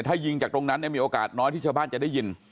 ถ้ายิงจากตรงนั้นเนี่ยมีโอกาสน้อยที่ชาวบ้านจะได้ยิน